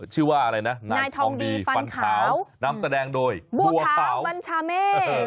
ชื่อว่าอะไรนะนายทองดีฟันขาวนำแสดงโดยบัวขาวบัญชาเมฆ